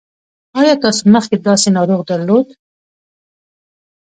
ایا تاسو مخکې داسې ناروغ درلود؟